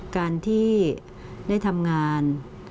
การที่ได้ทำงาน